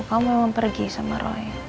kamu memang pergi sama roy